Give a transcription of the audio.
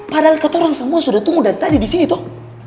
padahal kata orang semua sudah tunggu dari tadi disini toh